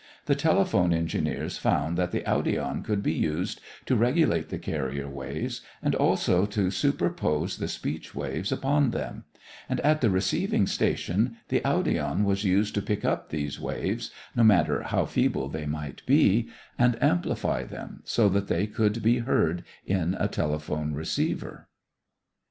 The telephone engineers found that the audion could be used to regulate the carrier waves and also to superpose the speech waves upon them, and at the receiving station the audion was used to pick up these waves, no matter how feeble they might be, and amplify them so that they could be heard in a telephone receiver.